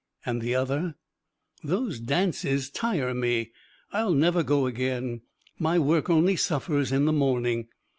And the other: "Those dances tire me. I'll never go again. My work only suffers in the morning."